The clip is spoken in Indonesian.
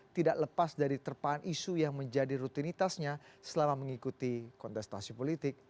tidak lepas dari terpahan isu yang menjadi rutinitasnya selama mengikuti kontestasi politik